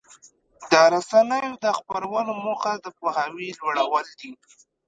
د رسنیو د خپرونو موخه د پوهاوي لوړول دي.